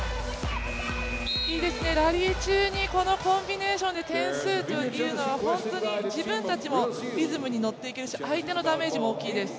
いいですね、ラリー中でこのコンビネーションでの得点は本当に自分たちもリズムに乗っていけるし相手のダメージも大きいです。